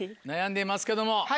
悩んでいますけども。